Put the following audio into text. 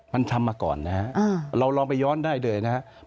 มันทำมาก่อนนะฮะเราลองไปย้อนได้เลยนะครับ